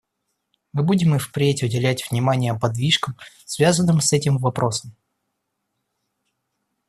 Мы будем и впредь уделять внимание подвижкам, связанным с этим вопросом.